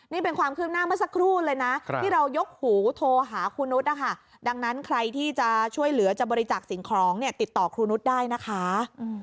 นี่เป็นความคืบหน้าเมื่อสักครู่เลยนะที่เรายกหูโทรหาครูนุษย์นะคะดังนั้นใครที่จะช่วยเหลือจะบริจาคสิ่งของเนี่ยติดต่อครูนุษย์ได้นะคะ